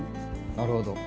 なるほど。